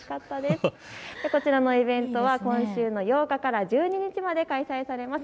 こちらのイベントは今週の８日から１２日まで開催されます。